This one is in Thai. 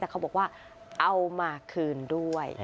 แต่เขาบอกว่าเอามาคืนด้วย